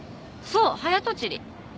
そう早とちり！